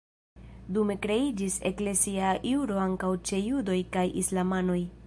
Dume kreiĝis eklezia juro ankaŭ ĉe judoj kaj islamanoj.